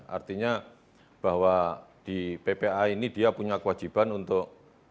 artinya bahwa di ppa ini dia punya kewajiban untuk